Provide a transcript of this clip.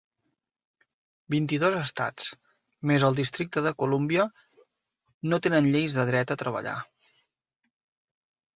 Vint-i-dos estats, més el districte de Colúmbia, no tenen lleis de dret a treballar.